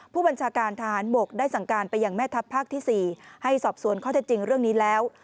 ผู้บัญชาการทหารบกได้สั่งการไปยังแม่ทัพภาคที่๔ให้สอบสวนข้อเท็จจริงเรื่องนี้แล้ว